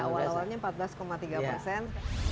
awal awalnya empat belas tiga persen